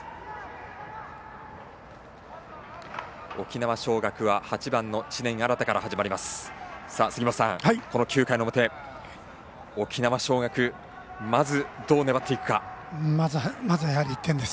沖縄尚学は８番、知念新から始まります。